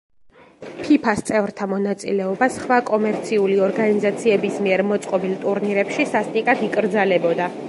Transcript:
ფიფა-ს წევრთა მონაწილეობა სხვა კომერციული ორგანიზაციების მიერ მოწყობილ ტურნირებში სასტიკად იკრძალებოდა.